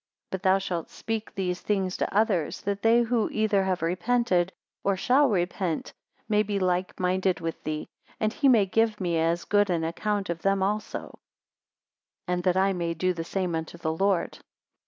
10 But thou shalt speak these things to others, that they who either have repented, or shall repent, may be like minded with thee, and he may give me as good an account of them also; and that I may do the same unto the Lord.